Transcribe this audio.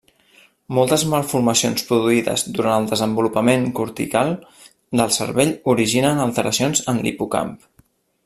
Moltes malformacions produïdes durant el desenvolupament cortical del cervell originen alteracions en l'hipocamp.